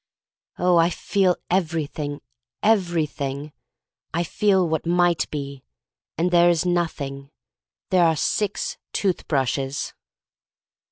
Oh, I feel everything — everything! I feel what might be. And there is Nothing. There are six tooth brushes.